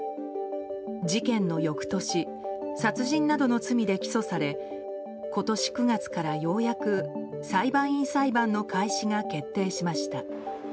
事件の翌年殺人などの罪で起訴され今年９月からようやく裁判員裁判の開始が決定しました。